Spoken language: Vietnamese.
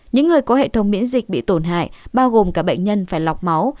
những người có hệ thống miễn dịch bị tổn hại bao gồm cả bệnh nhân phải lọc máu